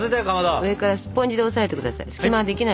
上からスポンジで押さえて下さい。